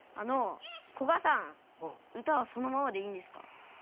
こがさん歌はそのままでいいんですか？